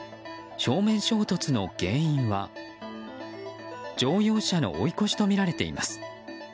正面衝突の原因は乗用車の追い越しとみられています。